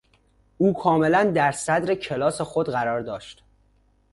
او کاملا در صدر کلاس خود قرار داشت.